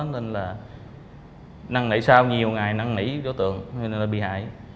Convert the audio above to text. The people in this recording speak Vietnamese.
nên là năng nảy sao nhiều ngày năng nảy đối tượng nên là bị hại